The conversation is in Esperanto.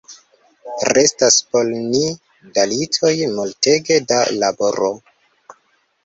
Restas por ni dalitoj multege da laboro.